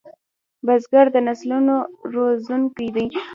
بزګر د نسلونو روزونکی دی